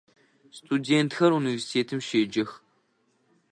Студентхэр университетым щеджэх.